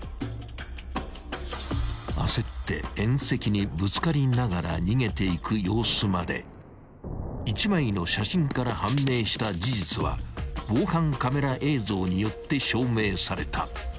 ［焦って縁石にぶつかりながら逃げていく様子まで１枚の写真から判明した事実は防犯カメラ映像によって証明された］